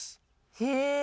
へえ。